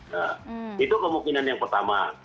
nah itu kemungkinan yang pertama